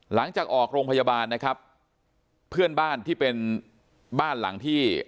หลังจากออกโรงพยาบาลนะครับเพื่อนบ้านที่เป็นบ้านหลังที่